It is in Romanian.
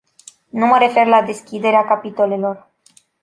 Nu mă refer la deschiderea capitolelor.